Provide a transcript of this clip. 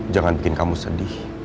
jangan bikin kamu sedih